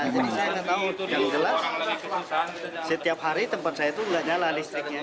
jadi saya nggak tahu yang jelas setiap hari tempat saya itu nggak nyala listriknya